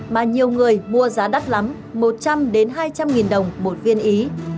mà nhiều người mua giá đắt lắm một trăm linh hai trăm linh nghìn đồng một viên ý